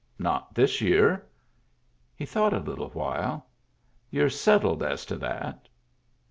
" Not this year." He thought a little while. " You're settled as to that?"